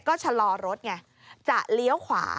ก็ชะลอรถไงจะเลี้ยวขวา